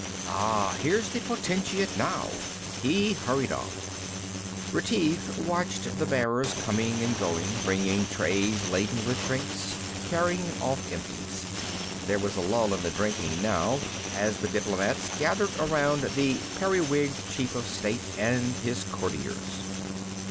"Ah, here's the Potentate now!" He hurried off. Retief watched the bearers coming and going, bringing trays laden with drinks, carrying off empties. There was a lull in the drinking now, as the diplomats gathered around the periwigged Chief of State and his courtiers.